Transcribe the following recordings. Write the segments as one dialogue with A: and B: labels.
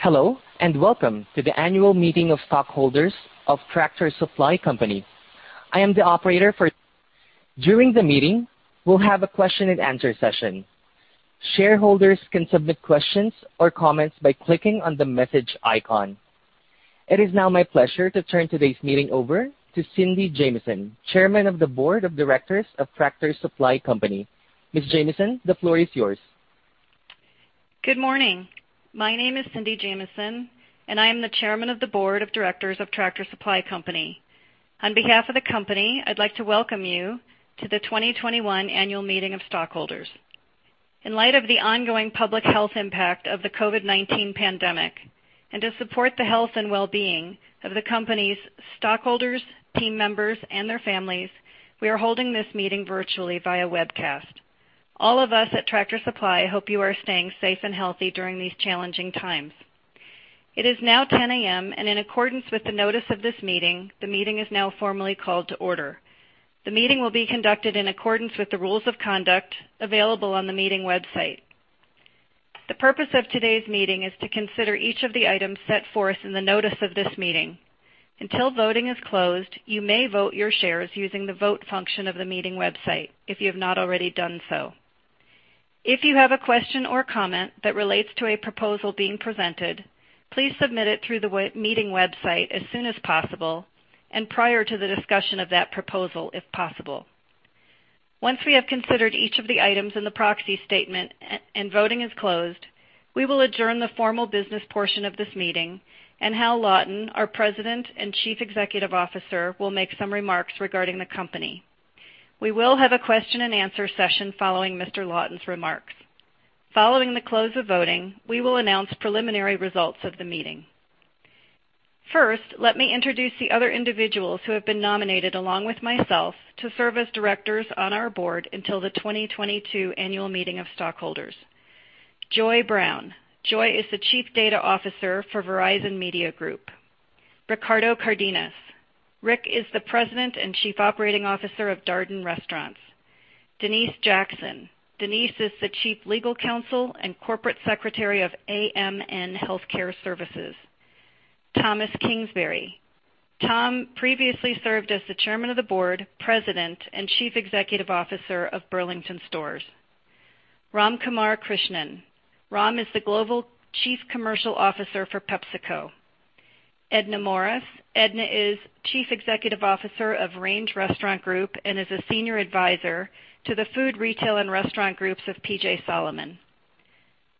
A: Hello, and welcome to the annual meeting of stockholders of Tractor Supply Company. During the meeting, we'll have a question and answer session. Shareholders can submit questions or comments by clicking on the message icon. It is now my pleasure to turn today's meeting over to Cynthia Jamison, Chairman of the Board of Directors of Tractor Supply Company. Ms. Jamison, the floor is yours.
B: Good morning. My name is Cynthia Jamison, and I am the Chairman of the Board of Directors of Tractor Supply Company. On behalf of the company, I'd like to welcome you to the 2021 annual meeting of stockholders. In light of the ongoing public health impact of the COVID-19 pandemic, and to support the health and well-being of the company's stockholders, team members, and their families, we are holding this meeting virtually via webcast. All of us at Tractor Supply hope you are staying safe and healthy during these challenging times. It is now 10:00 A.M., and in accordance with the notice of this meeting, the meeting is now formally called to order. The meeting will be conducted in accordance with the rules of conduct available on the meeting website. The purpose of today's meeting is to consider each of the items set forth in the notice of this meeting. Until voting is closed, you may vote your shares using the vote function of the meeting website if you have not already done so. If you have a question or comment that relates to a proposal being presented, please submit it through the meeting website as soon as possible and prior to the discussion of that proposal if possible. Once we have considered each of the items in the proxy statement and voting is closed, we will adjourn the formal business portion of this meeting, and Hal Lawton, our President and Chief Executive Officer, will make some remarks regarding the company. We will have a question and answer session following Mr. Lawton's remarks. Following the close of voting, we will announce preliminary results of the meeting. First, let me introduce the other individuals who have been nominated along with myself to serve as directors on our board until the 2022 annual meeting of stockholders. Joy Brown. Joy is the Chief Data Officer for Verizon Media Group. Ricardo Cardenas. Rick is the President and Chief Operating Officer of Darden Restaurants. Denise Jackson. Denise is the Chief Legal Counsel and Corporate Secretary of AMN Healthcare Services. Thomas Kingsbury. Tom previously served as the Chairman of the Board, President, and Chief Executive Officer of Burlington Stores. Ramkumar Krishnan. Ram is the Global Chief Commercial Officer for PepsiCo. Edna Morris. Edna is Chief Executive Officer of Range Restaurant Group and is a senior advisor to the food retail and restaurant groups of PJ Solomon.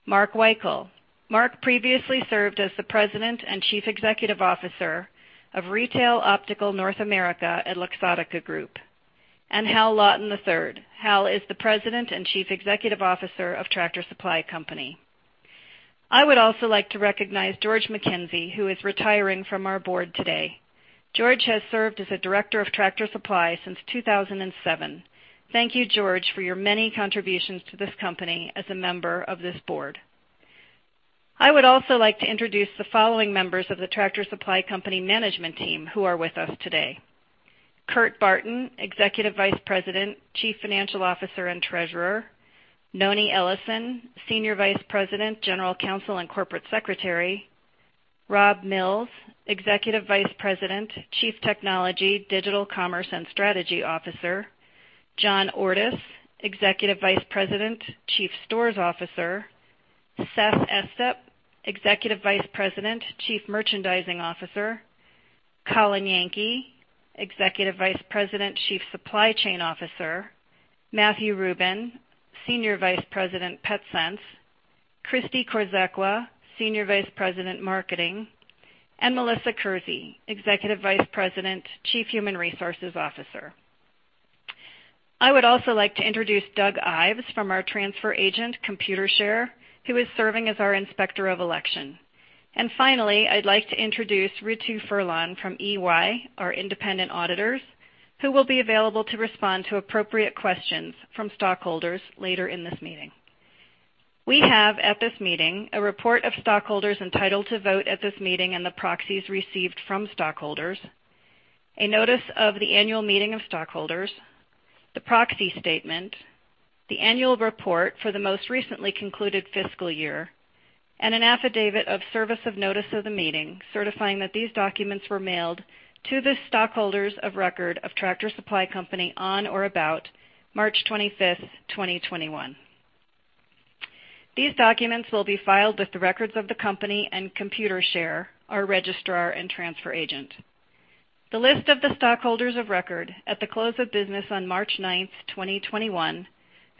B: Mark Weikel. Mark previously served as the President and Chief Executive Officer of Retail Optical North America at Luxottica Group. Hal Lawton III. Hal is the President and Chief Executive Officer of Tractor Supply Company. I would also like to recognize George MacKenzie, who is retiring from our board today. George has served as a director of Tractor Supply since 2007. Thank you, George, for your many contributions to this company as a member of this board. I would also like to introduce the following members of the Tractor Supply Company management team who are with us today. Kurt Barton, Executive Vice President, Chief Financial Officer, and Treasurer. Noni Ellison, Senior Vice President, General Counsel, and Corporate Secretary. Rob Mills, Executive Vice President, Chief Technology, Digital, Commerce, and Strategy Officer. John Ordus, Executive Vice President, Chief Stores Officer. Seth Estep, Executive Vice President, Chief Merchandising Officer. Colin Yankee, Executive Vice President, Chief Supply Chain Officer. Matthew Rubin, Senior Vice President, Petsense. Christi Korzekwa, Senior Vice President, Marketing. Melissa Kersey, Executive Vice President, Chief Human Resources Officer. I would also like to introduce Doug Ives from our transfer agent, Computershare, who is serving as our Inspector of Election. Finally, I'd like to introduce Ritu Furlan from EY, our independent auditors, who will be available to respond to appropriate questions from stockholders later in this meeting. We have at this meeting a report of stockholders entitled to vote at this meeting and the proxies received from stockholders, a notice of the annual meeting of stockholders, the proxy statement, the annual report for the most recently concluded fiscal year, and an affidavit of service of notice of the meeting certifying that these documents were mailed to the stockholders of record of Tractor Supply Company on or about March 25th, 2021. These documents will be filed with the records of the company and Computershare, our registrar and transfer agent. The list of the stockholders of record at the close of business on March ninth, 2021,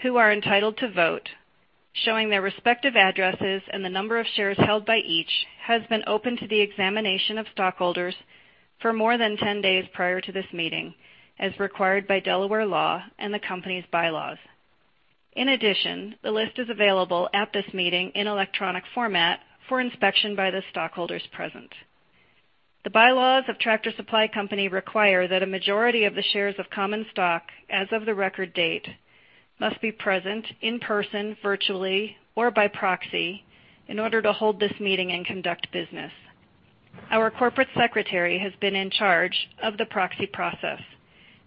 B: who are entitled to vote, showing their respective addresses and the number of shares held by each, has been open to the examination of stockholders for more than 10 days prior to this meeting as required by Delaware law and the company's bylaws. In addition, the list is available at this meeting in electronic format for inspection by the stockholders present. The bylaws of Tractor Supply Company require that a majority of the shares of common stock as of the record date must be present in person, virtually, or by proxy in order to hold this meeting and conduct business. Our corporate secretary has been in charge of the proxy process.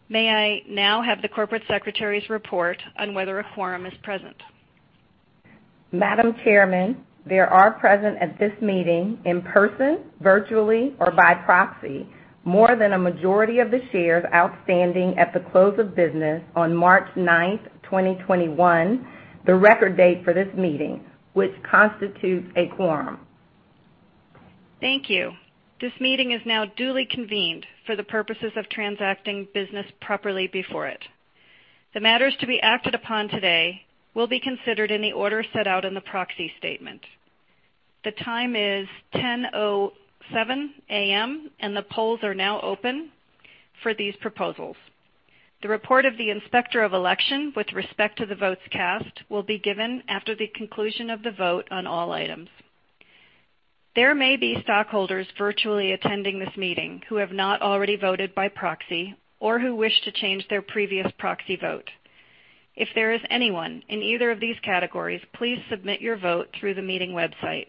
B: May I now have the corporate secretary's report on whether a quorum is present?
C: Madam Chairman, there are present at this meeting, in person, virtually, or by proxy, more than a majority of the shares outstanding at the close of business on March 9th, 2021, the record date for this meeting, which constitutes a quorum.
B: Thank you. This meeting is now duly convened for the purposes of transacting business properly before it. The matters to be acted upon today will be considered in the order set out in the proxy statement. The time is 10:07 A.M., and the polls are now open for these proposals. The report of the Inspector of Election with respect to the votes cast will be given after the conclusion of the vote on all items. There may be stockholders virtually attending this meeting who have not already voted by proxy or who wish to change their previous proxy vote. If there is anyone in either of these categories, please submit your vote through the meeting website.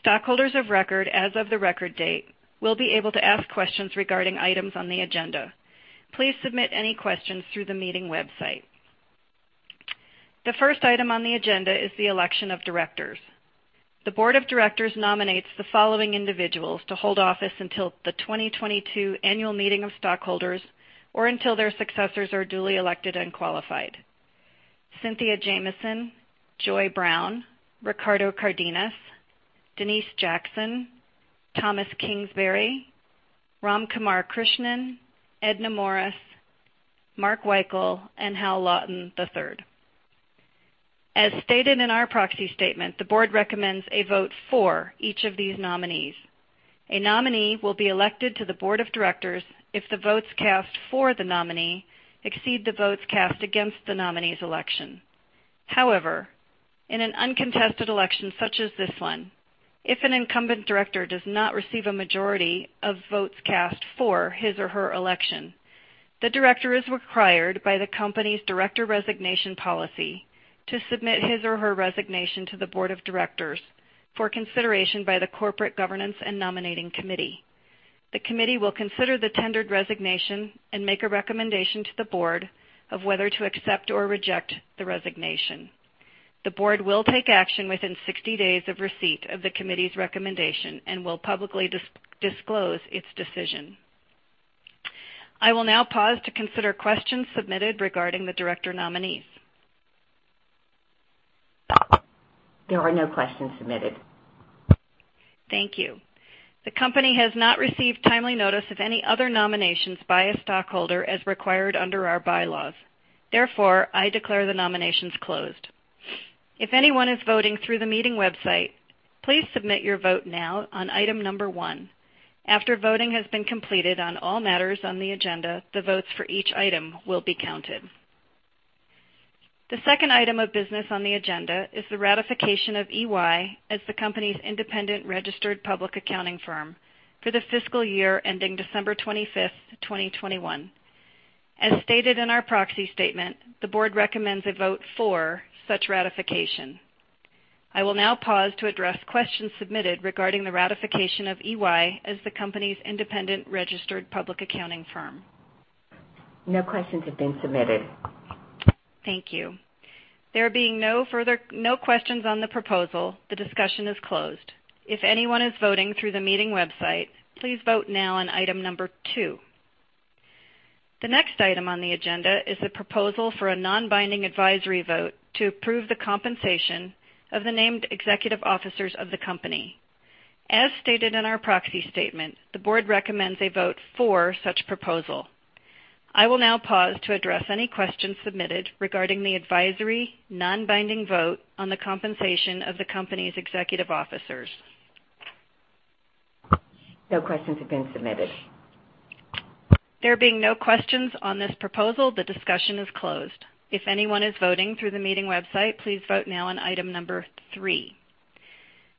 B: Stockholders of record as of the record date will be able to ask questions regarding items on the agenda. Please submit any questions through the meeting website. The first item on the agenda is the election of directors. The board of directors nominates the following individuals to hold office until the 2022 annual meeting of stockholders or until their successors are duly elected and qualified: Cynthia Jamison, Joy Brown, Ricardo Cardenas, Denise Jackson, Thomas Kingsbury, Ramkumar Krishnan, Edna Morris, Mark Weikel, and Hal Lawton III. As stated in our proxy statement, the board recommends a vote for each of these nominees. A nominee will be elected to the board of directors if the votes cast for the nominee exceed the votes cast against the nominee's election. However, in an uncontested election such as this one, if an incumbent director does not receive a majority of votes cast for his or her election, the director is required by the company's director resignation policy to submit his or her resignation to the board of directors for consideration by the Corporate Governance and Nominating Committee. The committee will consider the tendered resignation and make a recommendation to the board of whether to accept or reject the resignation. The board will take action within 60 days of receipt of the committee's recommendation and will publicly disclose its decision. I will now pause to consider questions submitted regarding the director nominees.
C: There are no questions submitted.
B: Thank you. The company has not received timely notice of any other nominations by a stockholder as required under our bylaws. I declare the nominations closed. If anyone is voting through the meeting website, please submit your vote now on item number one. After voting has been completed on all matters on the agenda, the votes for each item will be counted. The second item of business on the agenda is the ratification of EY as the company's independent registered public accounting firm for the fiscal year ending December 25th, 2021. As stated in our proxy statement, the Board recommends a vote for such ratification. I will now pause to address questions submitted regarding the ratification of EY as the company's independent registered public accounting firm.
C: No questions have been submitted.
B: Thank you. There being no questions on the proposal, the discussion is closed. If anyone is voting through the meeting website, please vote now on item number two. The next item on the agenda is a proposal for a non-binding advisory vote to approve the compensation of the named executive officers of the company. As stated in our proxy statement, the board recommends a vote for such proposal. I will now pause to address any questions submitted regarding the advisory non-binding vote on the compensation of the company's executive officers.
C: No questions have been submitted.
B: There being no questions on this proposal, the discussion is closed. If anyone is voting through the meeting website, please vote now on item three.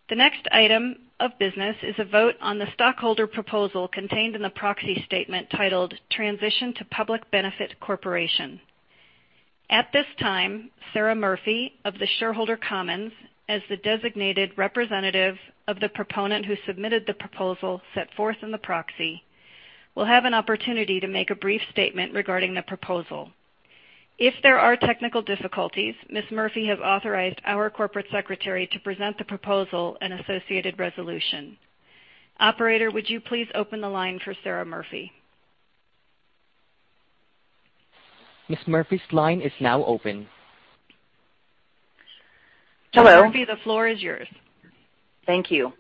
B: The next item of business is a vote on the stockholder proposal contained in the proxy statement titled Transition to Public Benefit Corporation. At this time, Sara Murphy of The Shareholder Commons, as the designated representative of the proponent who submitted the proposal set forth in the proxy, will have an opportunity to make a brief statement regarding the proposal. If there are technical difficulties, Ms. Murphy has authorized our corporate secretary to present the proposal and associated resolution. Operator, would you please open the line for Sara Murphy?
A: Ms. Murphy's line is now open.
D: Hello.
B: Ms. Murphy, the floor is yours.
D: Thank you.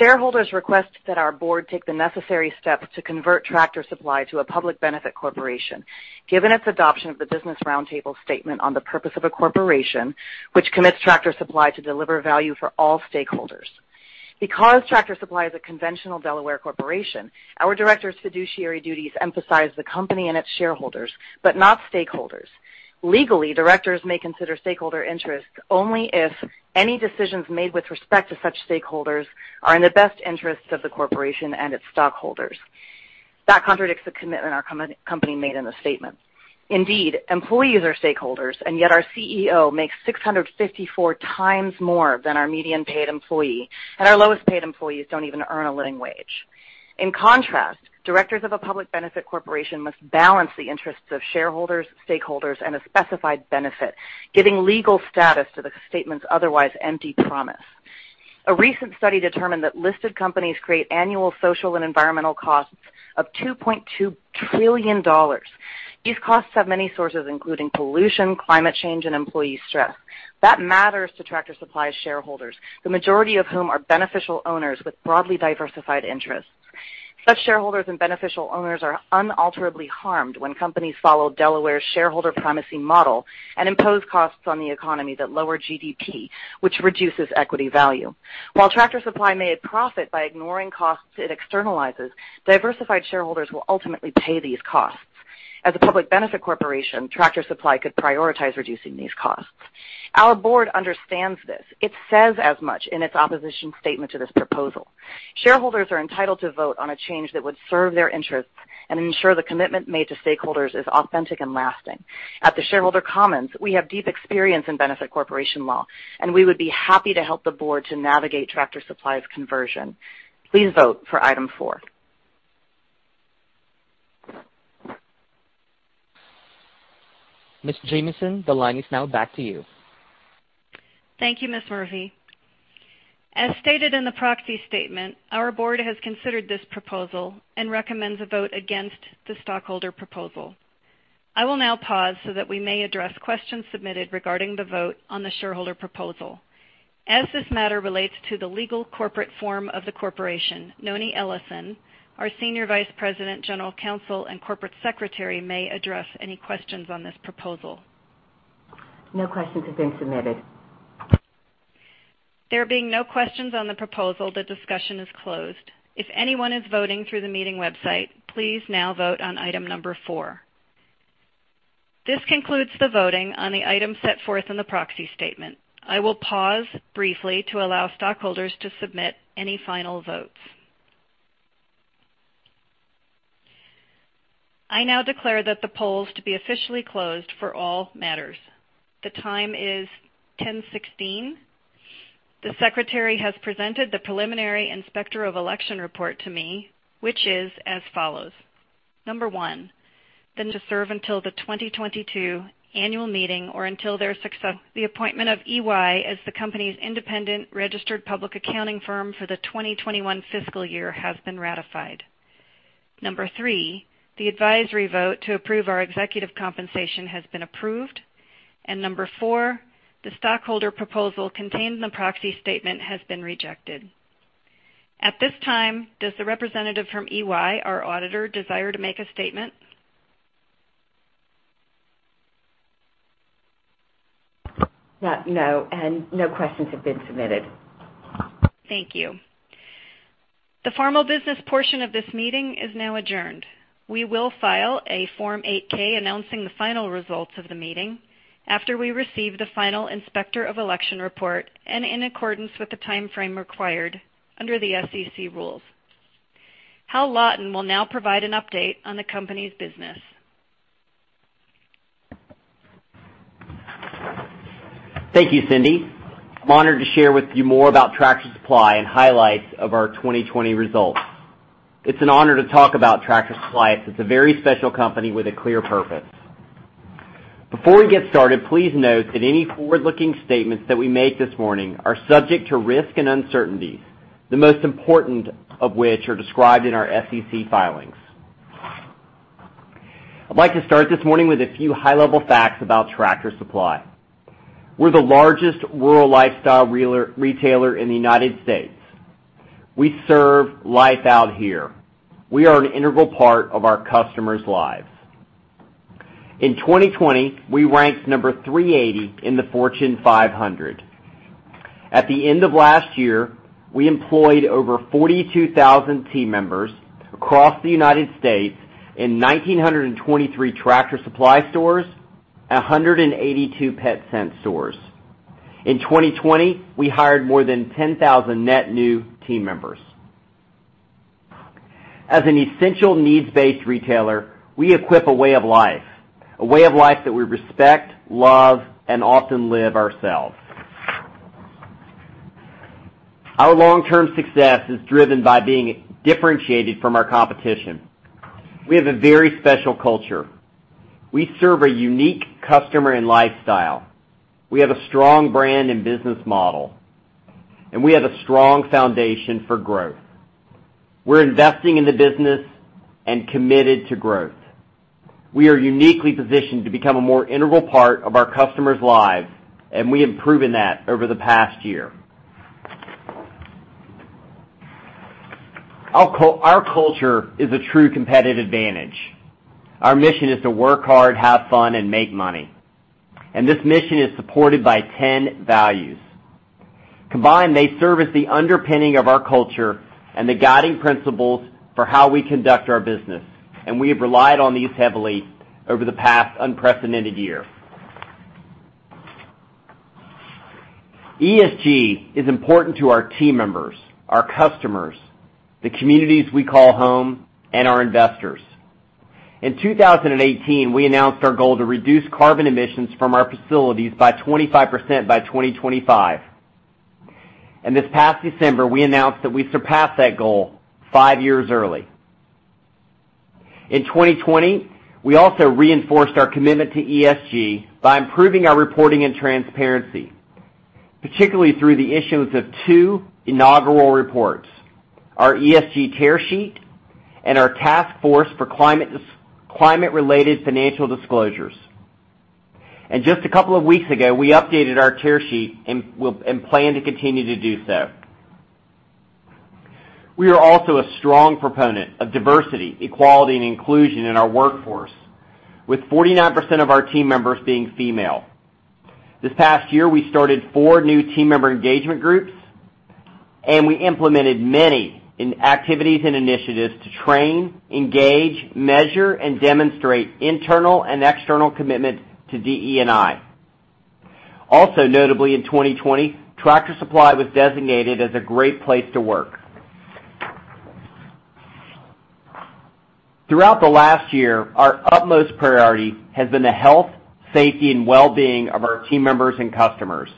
D: Shareholders request that our board take the necessary steps to convert Tractor Supply to a public benefit corporation, given its adoption of the Business Roundtable statement on the purpose of a corporation, which commits Tractor Supply to deliver value for all stakeholders. Tractor Supply is a conventional Delaware corporation, our directors' fiduciary duties emphasize the company and its shareholders, but not stakeholders. Legally, directors may consider stakeholder interests only if any decisions made with respect to such stakeholders are in the best interest of the corporation and its stockholders. That contradicts the commitment our company made in the statement. Indeed, employees are stakeholders, yet our CEO makes 654x more than our median paid employee, and our lowest paid employees don't even earn a living wage. In contrast, directors of a public benefit corporation must balance the interests of shareholders, stakeholders, and a specified benefit, giving legal status to the statement's otherwise empty promise. A recent study determined that listed companies create annual social and environmental costs of $2.2 trillion. These costs have many sources, including pollution, climate change, and employee stress. That matters to Tractor Supply shareholders, the majority of whom are beneficial owners with broadly diversified interests. Such shareholders and beneficial owners are unalterably harmed when companies follow Delaware's shareholder primacy model and impose costs on the economy that lower GDP, which reduces equity value. While Tractor Supply may profit by ignoring costs it externalizes, diversified shareholders will ultimately pay these costs. As a public benefit corporation, Tractor Supply could prioritize reducing these costs. Our board understands this. It says as much in its opposition statement to this proposal. Shareholders are entitled to vote on a change that would serve their interests and ensure the commitment made to stakeholders is authentic and lasting. At The Shareholder Commons, we have deep experience in benefit corporation law, and we would be happy to help the board to navigate Tractor Supply's conversion. Please vote for item four.
A: Ms. Jamison, the line is now back to you.
B: Thank you, Ms. Murphy. As stated in the proxy statement, our board has considered this proposal and recommends a vote against the stockholder proposal. I will now pause so that we may address questions submitted regarding the vote on the shareholder proposal. As this matter relates to the legal corporate form of the corporation, Noni Ellison, our Senior Vice President, General Counsel, and Corporate Secretary, may address any questions on this proposal.
C: No questions have been submitted.
B: There being no questions on the proposal, the discussion is closed. If anyone is voting through the meeting website, please now vote on item number four. This concludes the voting on the item set forth in the proxy statement. I will pause briefly to allow stockholders to submit any final votes. I now declare that the polls to be officially closed for all matters. The time is 10:16 A.M. The secretary has presented the preliminary inspector of election report to me, which is as follows. Number one, then to serve until the 2022 annual meeting or until their success The appointment of EY as the company's independent registered public accounting firm for the 2021 fiscal year has been ratified. Number three, the advisory vote to approve our executive compensation has been approved. Number four, the stockholder proposal contained in the proxy statement has been rejected. At this time, does the representative from EY, our auditor, desire to make a statement?
C: No, no questions have been submitted.
B: Thank you. The formal business portion of this meeting is now adjourned. We will file a Form 8-K announcing the final results of the meeting after we receive the final inspector of election report and in accordance with the timeframe required under the SEC rules. Hal Lawton will now provide an update on the company's business.
E: Thank you, Cindy. I'm honored to share with you more about Tractor Supply and highlights of our 2020 results. It's an honor to talk about Tractor Supply. It's a very special company with a clear purpose. Before we get started, please note that any forward-looking statements that we make this morning are subject to risk and uncertainties, the most important of which are described in our SEC filings. I'd like to start this morning with a few high-level facts about Tractor Supply. We're the largest rural lifestyle retailer in the U.S. We serve Life Out Here. We are an integral part of our customers' lives. In 2020, we ranked number 380 in the Fortune 500. At the end of last year, we employed over 42,000 team members across the U.S. in 1,923 Tractor Supply stores and 182 Petsense stores. In 2020, we hired more than 10,000 net new team members. As an essential needs-based retailer, we equip a way of life, a way of life that we respect, love, and often live ourselves. Our long-term success is driven by being differentiated from our competition. We have a very special culture. We serve a unique customer and lifestyle. We have a strong brand and business model, and we have a strong foundation for growth. We're investing in the business and committed to growth. We are uniquely positioned to become a more integral part of our customers' lives, and we have proven that over the past year. Our culture is a true competitive advantage. Our mission is to work hard, have fun, and make money. This mission is supported by 10 values. Combined, they serve as the underpinning of our culture and the guiding principles for how we conduct our business. We have relied on these heavily over the past unprecedented year. ESG is important to our team members, our customers, the communities we call home, and our investors. In 2018, we announced our goal to reduce carbon emissions from our facilities by 25% by 2025. This past December, we announced that we surpassed that goal five years early. In 2020, we also reinforced our commitment to ESG by improving our reporting and transparency, particularly through the issuance of two inaugural reports, our ESG Tear Sheet and our Task Force on Climate-related Financial Disclosures. Just a couple of weeks ago, we updated our ESG Tear Sheet and plan to continue to do so. We are also a strong proponent of diversity, equality, and inclusion in our workforce, with 49% of our team members being female. This past year, we started four new team member engagement groups, and we implemented many activities and initiatives to train, engage, measure, and demonstrate internal and external commitment to DE&I. Also notably in 2020, Tractor Supply was designated as a great place to work. Throughout the last year, our utmost priority has been the health, safety, and wellbeing of our team members and customers.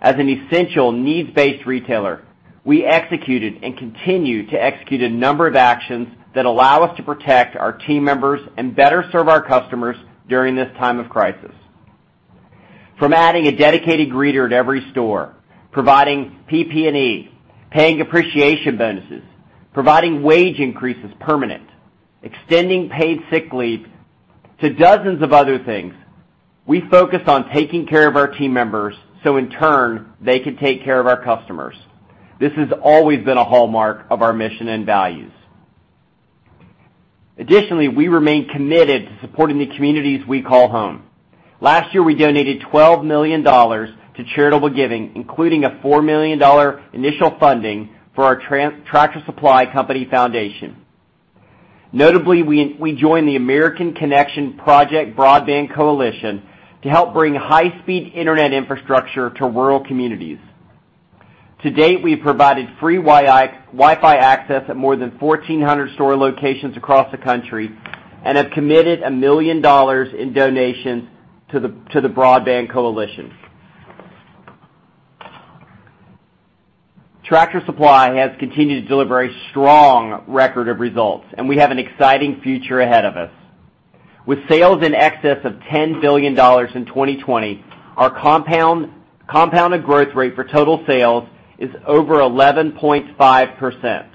E: As an essential needs-based retailer, we executed and continue to execute a number of actions that allow us to protect our team members and better serve our customers during this time of crisis. From adding a dedicated greeter at every store, providing PPE, paying appreciation bonuses, providing wage increases permanent, extending paid sick leave, to dozens of other things, we focus on taking care of our team members, so in turn, they can take care of our customers. This has always been a hallmark of our mission and values. Additionally, we remain committed to supporting the communities we call home. Last year, we donated $12 million to charitable giving, including a $4 million initial funding for our Tractor Supply Company Foundation. Notably, we joined the American Connection Project Broadband Coalition to help bring high-speed internet infrastructure to rural communities. To date, we've provided free Wi-Fi access at more than 1,400 store locations across the country and have committed $1 million in donations to the Broadband Coalition. Tractor Supply has continued to deliver a strong record of results, and we have an exciting future ahead of us. With sales in excess of $10 billion in 2020, our compounded growth rate for total sales is over 11.5%.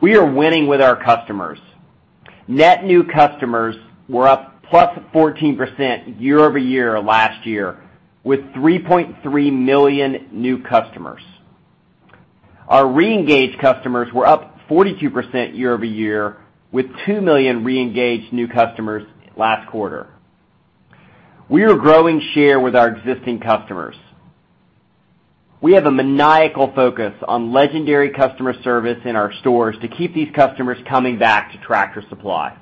E: We are winning with our customers. Net new customers were up +14% YoY last year, with 3.3 million new customers. Our reengaged customers were up 42% YoY, with 2 million reengaged new customers last quarter. We are growing share with our existing customers. We have a maniacal focus on legendary customer service in our stores to keep these customers coming back to Tractor Supply.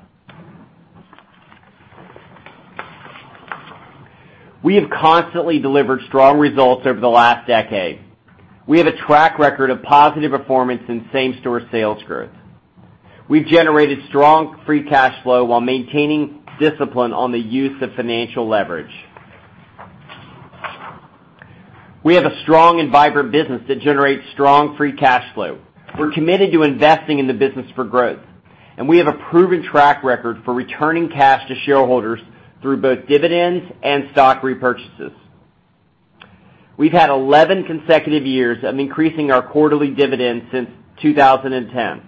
E: We have constantly delivered strong results over the last decade. We have a track record of positive performance in same-store sales growth. We've generated strong free cash flow while maintaining discipline on the use of financial leverage. We have a strong and vibrant business that generates strong free cash flow. We're committed to investing in the business for growth, and we have a proven track record for returning cash to shareholders through both dividends and stock repurchases. We've had 11 consecutive years of increasing our quarterly dividends since 2010.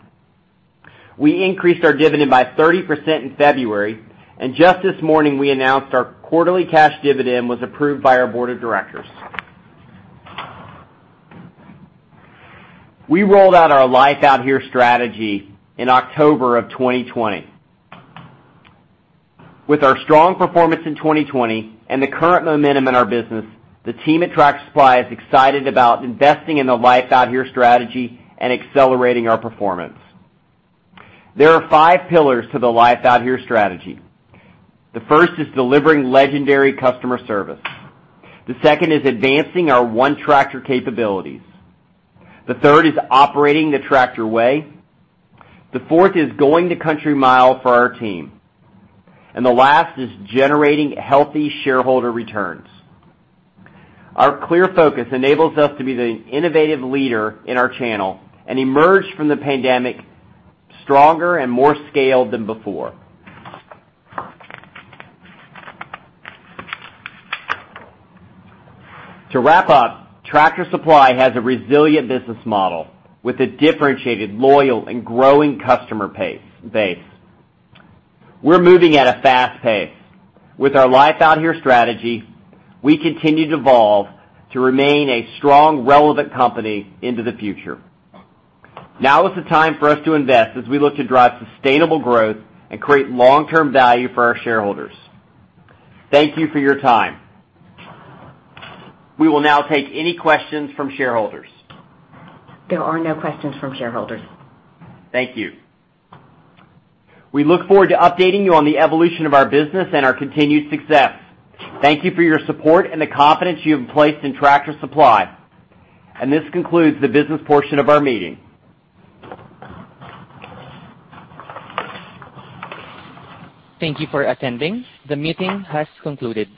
E: We increased our dividend by 30% in February, and just this morning, we announced our quarterly cash dividend was approved by our board of directors. We rolled out our Life Out Here strategy in October of 2020. With our strong performance in 2020 and the current momentum in our business, the team at Tractor Supply is excited about investing in the Life Out Here strategy and accelerating our performance. There are five pillars to the Life Out Here strategy. The first is delivering legendary customer service. The second is advancing our one Tractor capabilities. The third is operating the Tractor Way. The fourth is going the country mile for our team. The last is generating healthy shareholder returns. Our clear focus enables us to be the innovative leader in our channel and emerge from the pandemic stronger and more scaled than before. To wrap up, Tractor Supply has a resilient business model with a differentiated, loyal, and growing customer base. We're moving at a fast pace. With our Life Out Here strategy, we continue to evolve to remain a strong, relevant company into the future. Now is the time for us to invest as we look to drive sustainable growth and create long-term value for our shareholders. Thank you for your time. We will now take any questions from shareholders.
C: There are no questions from shareholders.
E: Thank you. We look forward to updating you on the evolution of our business and our continued success. Thank you for your support and the confidence you have placed in Tractor Supply. This concludes the business portion of our meeting.
A: Thank you for attending. The meeting has concluded.